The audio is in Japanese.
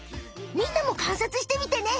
みんなもかんさつしてみてね！